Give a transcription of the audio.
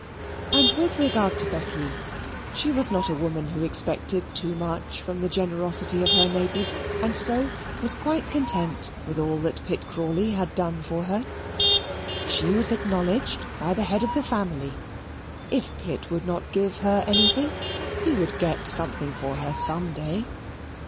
And with regard to Becky, she was not a woman who expected too much from the generosity of her neighbours, and so was quite content with all that Pitt Crawley had done for her. She was acknowledged by the head of the family. If Pitt would not give her anything, he would get something for her some day.